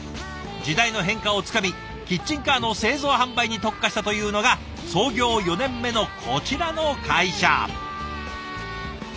時代の変化をつかみキッチンカーの製造販売に特化したというのが創業４年目のこちらの会社。